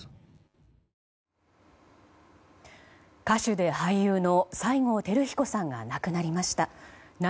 歌手で俳優の西郷輝彦さんが亡くなりました。